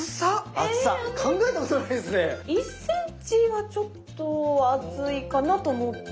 １ｃｍはちょっと厚いかなと思う。